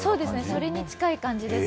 それに近い感じです